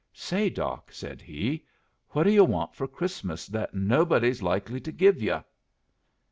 "Say Doc," said he, "what do yu' want for Christmas that nobody's likely to give yu'?"